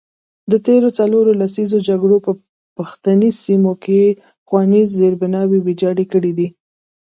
د تیرو څلورو لسیزو جګړو په پښتني سیمو کې ښوونیز زیربناوې ویجاړې کړي دي.